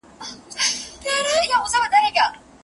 اوس يې صرف غزل لولم، زما لونگ نفيب مړ دی